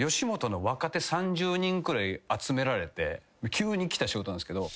急に来た仕事なんですけど。